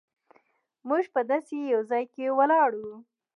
موږ په داسې یو ځای کې ولاړ وو.